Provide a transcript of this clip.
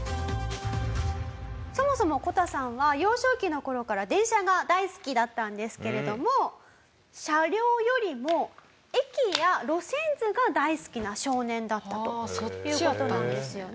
そもそもこたさんは幼少期の頃から電車が大好きだったんですけれども車両よりも駅や路線図が大好きな少年だったという事なんですよね。